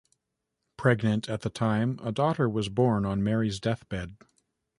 Pregnant at the time, a daughter was born on Mary's deathbed.